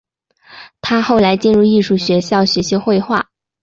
他后来进入艺术学校学习绘画。